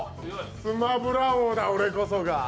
スマブラ王だ、俺こそが。